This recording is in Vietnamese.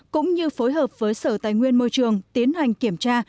cũng như phối hợp với sở tài nguyên môi trường tiến hành kiểm tra